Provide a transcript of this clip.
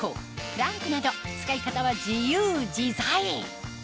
プランクなど使い方は自由自在！